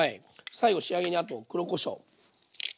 最後仕上げにあと黒こしょう。